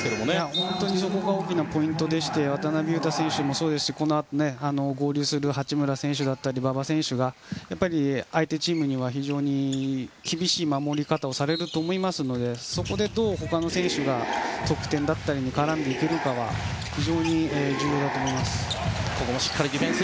本当にそこが大きなポイントでして渡邊雄太選手もそうですしこのあと合流する八村選手や馬場選手が相手チームには非常に厳しい守り方をされると思いますのでそこでどう他の選手が得点だったりに絡んでいけるかは非常に重要だと思います。